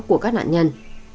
của các nạn nhân